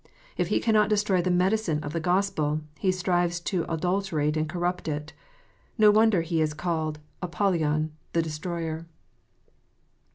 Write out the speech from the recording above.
If he cannot destroy the medicine of the Gospel, he strives to adulterate and corrupt it. No wonder that he is called " Apollyon, the destroyer."